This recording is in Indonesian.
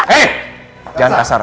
hei jangan kasar